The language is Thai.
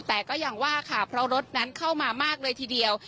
แต่ก็ยังว่าค่ะเพราะรถนั้นเข้ามามากเลยทีเดียว